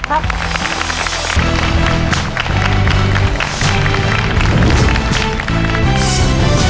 ตัวเลือกที่สี่๑๐เส้น